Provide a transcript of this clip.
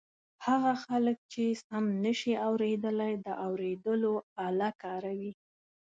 هغه خلک چې سم نشي اورېدلای د اوریدلو آله کاروي.